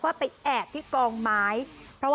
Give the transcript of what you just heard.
กลับด้านหลักหลักหลัก